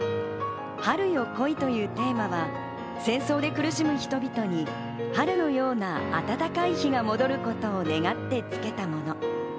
「春霞」というテーマは戦争で苦しむ人々に春のような暖かい日が戻ることを願ってつけたもの。